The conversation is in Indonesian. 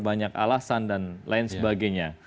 banyak alasan dan lain sebagainya